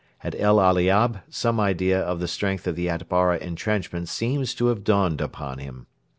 At El Aliab some idea of the strength of the Atbara entrenchment seems to have dawned upon him.